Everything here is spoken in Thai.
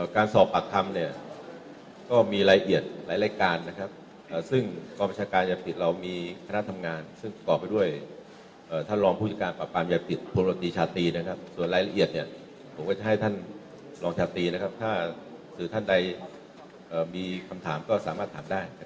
การสอบปรักษ์ธรรมเนี่ยก็มีรายละเอียดหลายรายการนะครับซึ่งความประชาการยังผิดเรามีคณะทำงานซึ่งก่อไปด้วยเอ่อท่านรองผู้จัดการปรับปรามยังผิดภูมิโรธรีชาตินะครับส่วนรายละเอียดเนี่ยผมก็จะให้ท่านลองชาตินะครับถ้าหรือท่านใดเอ่อมีคำถามก็สามารถถามได้นะครับ